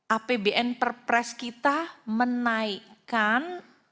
apbn perpres kita menaikkan